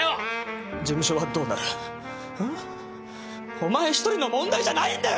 お前１人の問題じゃないんだよ！！